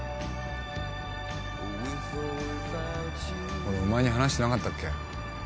俺お前に話してなかったっけ？